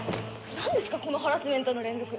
何ですかこのハラスメントの連続。